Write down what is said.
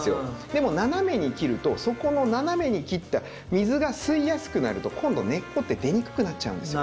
でも斜めに切るとそこの斜めに切った水が吸いやすくなると今度根っこって出にくくなっちゃうんですよ。